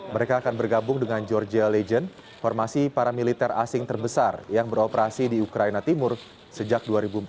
mereka akan bergabung dengan georgia legion formasi para militer asing terbesar yang beroperasi di ukraina timur sejak dua ribu empat belas